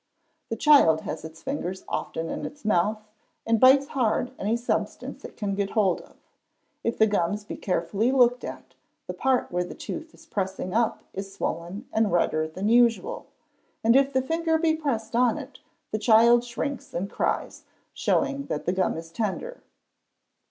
The child has its fingers often in its mouth, and bites hard any substance it can get hold of. If the gums be carefully looked at, the part where the tooth is pressing up is swollen and redder than usual; and if the finger be pressed on it the child shrinks and cries, showing that the gum is tender.